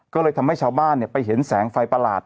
ก็เลยทำให้ชาวบ้านไปเห็นแสงไฟประหลาด